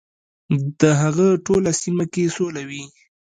د هغه ټوله سیمه کې سوله وي .